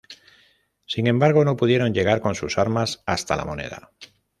Sin embargo, no pudieron llegar con sus armas hasta la La Moneda.